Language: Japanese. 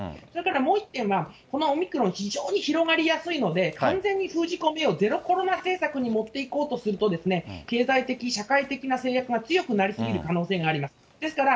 それからもう１点は、このオミクロン、非常に広がりやすいので、完全に封じ込めを、ゼロコロナ政策に持っていこうとすると、経済的、社会的な制約が強くなりすぎる可能性があります。